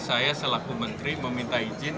saya selaku menteri meminta izin